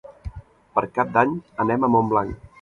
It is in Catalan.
Per Cap d'Any anem a Montblanc.